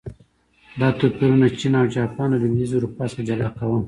دا توپیرونه چین او جاپان له لوېدیځې اروپا څخه جلا کاوه.